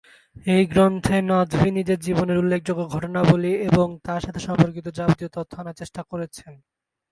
এই গ্রন্থে নদভী নিজের জীবনের উল্লেখযোগ্য ঘটনাবলী এবং তার সাথে সম্পর্কিত যাবতীয় তথ্য আনার চেষ্টা করেছেন।